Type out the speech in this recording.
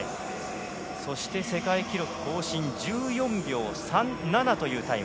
そして世界記録更新１４秒３７というタイム。